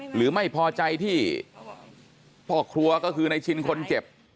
หรือไม่พอใจที่พ่อครัวก็คือในชินคนเจ็บ